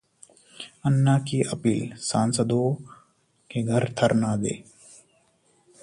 अन्ना की अपील, सांसदों के घर धरना दें